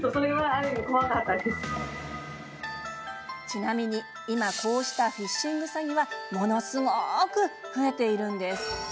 ちなみに今、こうしたフィッシング詐欺はものすごく増えているんです。